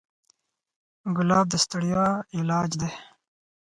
ګلاب د ستړیا علاج دی.